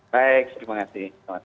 baik terima kasih